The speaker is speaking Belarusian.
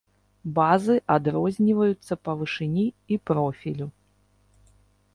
Базы адрозніваюцца па вышыні і профілю.